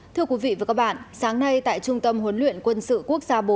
thưa quý vị và các bạn sáng nay tại trung tâm huấn luyện quân sự quốc gia bốn